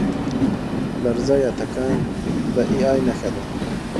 لرزه یا تکان د اې ای نښه ده.